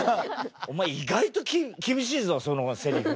お前意外と厳しいぞそのセリフ。